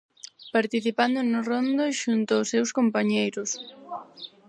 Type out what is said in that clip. Participando no rondo xunto aos seus compañeiros.